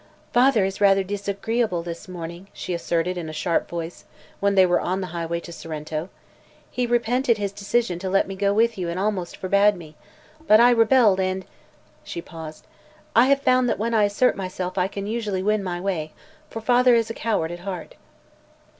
"Father is rather disagreeable this morning," she asserted in a sharp voice, when they were on the highway to Sorrento. "He repented his decision to let me go with you and almost forbade me. But I rebelled, and " she paused; "I have found that when I assert myself I can usually win my way, for father is a coward at heart."